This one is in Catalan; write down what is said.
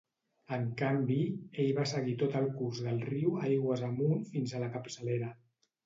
En canvi, ell va seguir tot el curs del riu aigües amunt fins a la capçalera.